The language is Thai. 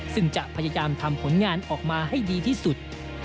ซึ่งจะพยายามทำผลงานออกมาให้ดีที่สุด